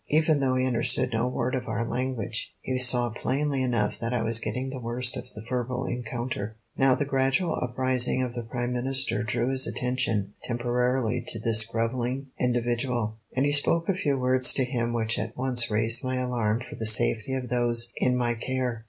Even though he understood no word of our language, he saw plainly enough that I was getting the worst of the verbal encounter. Now the gradual uprising of the Prime Minister drew his attention temporarily to this grovelling individual, and he spoke a few words to him which at once raised my alarm for the safety of those in my care.